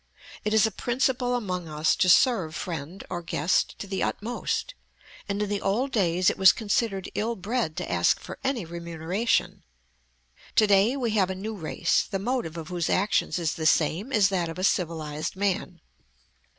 It is a principle among us to serve friend or guest to the utmost, and in the old days it was considered ill bred to ask for any remuneration. To day we have a new race, the motive of whose actions is the same as that of a civilized man.